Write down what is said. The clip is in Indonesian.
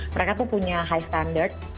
mereka tuh punya high standard